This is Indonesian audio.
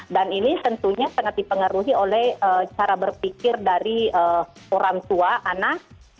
dan ini tentunya sangat dipengaruhi oleh cara berpikir dari orang tua anak